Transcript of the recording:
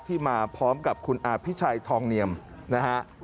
มาพร้อมกับคุณอภิชัยทองเนียมนะฮะ